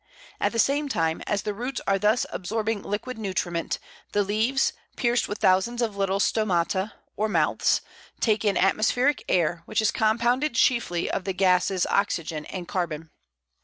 At the same time as the roots are thus absorbing liquid nutriment, the leaves, pierced with thousands of little stomata, or mouths, take in atmospheric air, which is compounded chiefly of the gases oxygen and carbon.